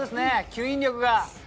吸引力が。